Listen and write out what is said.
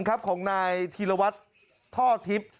ของนายธีรวัตรท่อทิพย์